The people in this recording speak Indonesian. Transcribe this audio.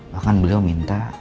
bahkan beliau minta